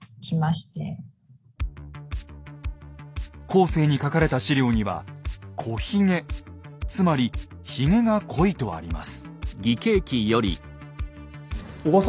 後世に書かれた資料には「こひげ」つまりひげが濃いとあります。